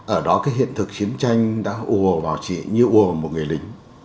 ở đó cái hiện thực chiến tranh đã ùa vào chị như ùa vào một người lính